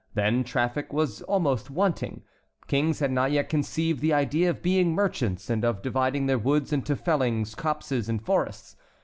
Then traffic was almost wanting. Kings had not yet conceived the idea of being merchants, and of dividing their woods into fellings, copses, and forests.